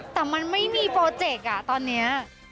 แต่มันไม่มีโปรเจกต์ตอนนี้